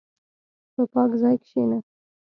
په پاک ځای کښېنه.